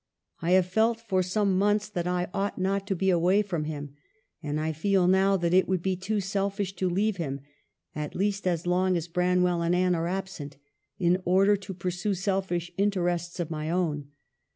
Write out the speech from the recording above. I have felt for some months that I ought not to be away from him, and I feel now that it would be too selfish to leave him (at least as long as Branwell and Anne are absent) in order to pur sue selfish interests of my own.